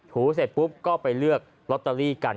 ถูเสร็จปุ๊บก็ไปเลือกลอตเตอรี่กัน